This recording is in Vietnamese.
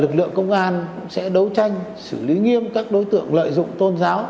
lực lượng công an sẽ đấu tranh xử lý nghiêm các đối tượng lợi dụng tôn giáo